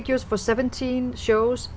được tổ chức